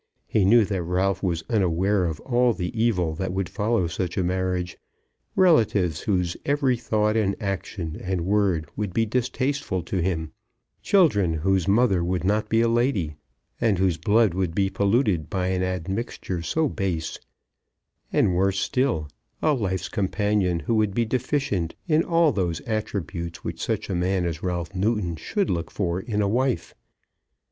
He knew that Ralph was unaware of all the evil that would follow such a marriage; relatives whose every thought and action and word would be distasteful to him; children whose mother would not be a lady, and whose blood would be polluted by an admixture so base; and, worse still, a life's companion who would be deficient in all those attributes which such a man as Ralph Newton should look for in a wife.